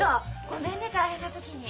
ごめんね大変な時に。